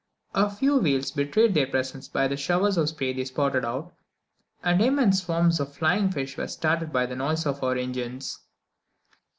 A few whales betrayed their presence by the showers of spray they spouted up, and immense swarms of flying fish were startled by the noise of our engines.